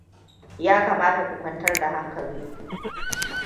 Ya kamata ku kwantar da hankalinku.